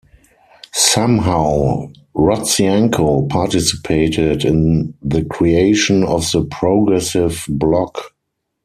Somehow Rodzianko participated in the creation of the Progressive Bloc.